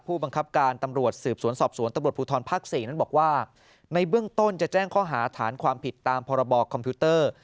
ผู้บังคับการตำรวจสืบสวนสอบสวนตำรวจภูทรภาค๔นั้นบอกว่าในเบื้องต้นจะแจ้งข้อหาฐานความผิดตามพรบคอมพิวเตอร์